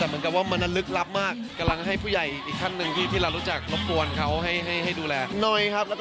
ผมก็บอกว่าพระราม๙เนี่ยก็มีหน้าไอศรีหน้าจรอลี่